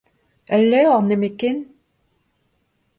Ul levr nemetken ?